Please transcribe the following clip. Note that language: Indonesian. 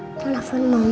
sih masih kode nomornya ini